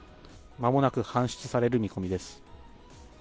間もなく搬出される見込みです。